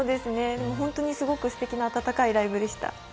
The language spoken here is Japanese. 本当にすごくすてきな温かいライブでした。